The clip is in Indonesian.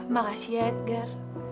makasih ya edgar